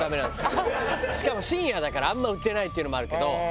しかも深夜だからあんま売ってないっていうのもあるけど。